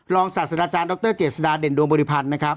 ศาสตราจารย์ดรเจษฎาเด่นดวงบริพันธ์นะครับ